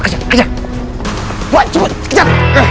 kejap kejap kejap